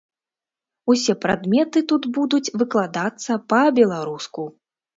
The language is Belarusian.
Усе прадметы тут будуць выкладацца па-беларуску.